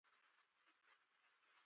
پښتانه د خپل ملت لپاره تل کار کوي.